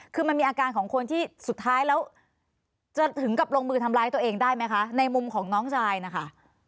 คือมันมีอาการของคนที่สุดท้ายแล้วจะถึงกับลงมือทำร้ายตัวเองได้ไหมคะในมุมของน้องชายนะคะ